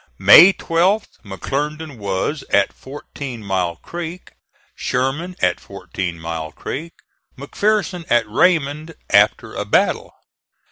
May 12th, McClernand was at Fourteen Mile Creek; Sherman at Fourteen Mile Creek; McPherson at Raymond after a battle.